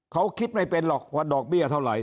เขาคิดไม่เป็นหรอกว่าดอกเบี้ยเท่าไหร